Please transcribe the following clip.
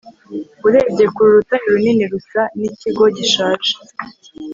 urebye kure, urutare runini rusa n'ikigo gishaje